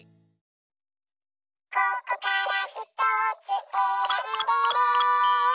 「ここからひとつえらんでね」